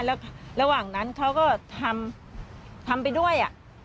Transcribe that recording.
แล้วระหว่างนั้นเขาก็ทำทำไปด้วย